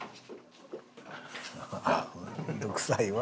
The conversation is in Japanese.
面倒くさいわ。